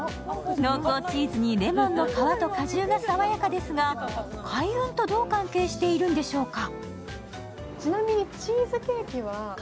濃厚チーズにレモンの皮と果汁が爽やかですが、開運とどう関係しているんでしょうか。